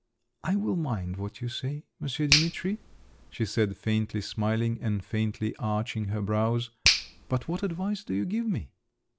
"I will mind what you say, Monsieur Dimitri," she said, faintly smiling, and faintly arching her brows; "but what advice do you give me?"